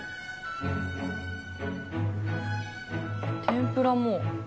天ぷらも。